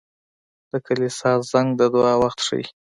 • د کلیسا زنګ د دعا وخت ښيي.